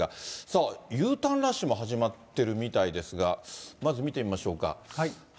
さあ、Ｕターンラッシュも始まってるみたいですが、まず見てみましょうか。